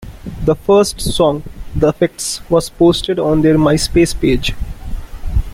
The first song "The Effects" was posted on their Myspace page.